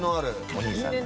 お兄さんが。